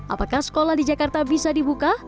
apakah sekolah di jakarta bisa dibuka